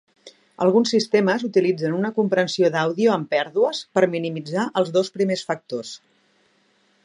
Alguns sistemes utilitzen una compressió d'àudio "amb pèrdues" per minimitzar els dos primers factors.